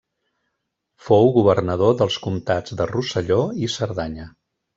Fou governador dels comtats de Rosselló i Cerdanya.